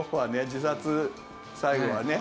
自殺最後はね